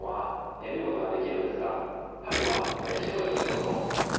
春は。